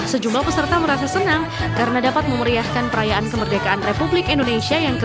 sejumlah peserta merasa senang karena dapat memeriahkan perayaan kemerdekaan republik indonesia yang ke tujuh puluh